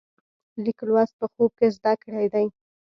لیک لوست په خوب کې زده کړی دی.